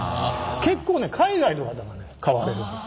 結構ね海外の方がね買われるんです。